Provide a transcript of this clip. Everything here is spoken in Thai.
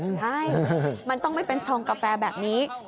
ใช่มันต้องไม่เป็นซองกาแฟแบบนี้